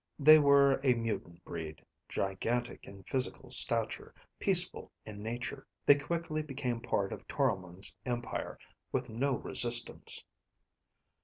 They were a mutant breed, gigantic in physical stature, peaceful in nature. They quickly became part of Toromon's empire, with no resistance.